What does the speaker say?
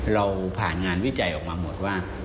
เราผ่านงานวิจัยออกมาหมดว่า